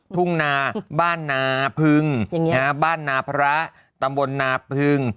ทุ่งนาบ้านนาพึงบ้านนาพระตำบลนาพึง